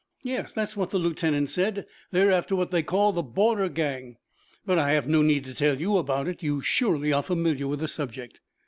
"Yes, that's what the lieutenant said. They are after what they call the Border Gang. But I have no need to tell you about it. You surely are familiar with the subject."